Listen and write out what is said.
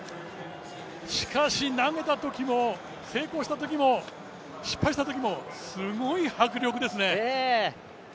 しかし、投げたときも成功したときも失敗したときもすごい迫力ですね。